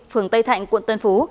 phường tây thạnh quận tân phú